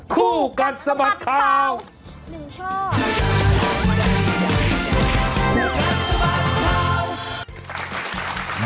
คู่กัดสะบัดขาวหนึ่งชอบ